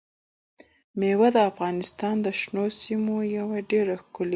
مېوې د افغانستان د شنو سیمو یوه ډېره ښکلې ښکلا ده.